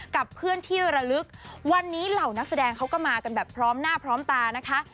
กับเพื่อนที่ระลึกวันนี้เหล่านักแสดงเขาก็มากันแบบพร้อมหน้าพร้อมตานะคะ